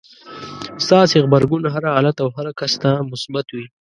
ستاسې غبرګون هر حالت او هر کس ته مثبت وي.